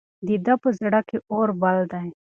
د ده په زړه کې اور بل دی.